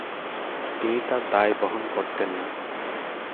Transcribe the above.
তিনি তার দায় বহন করতেন না।